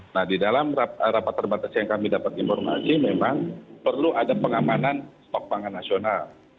nah di dalam rapat terbatas yang kami dapat informasi memang perlu ada pengamanan stok pangan nasional